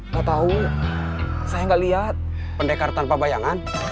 gak tahu saya nggak lihat pendekar tanpa bayangan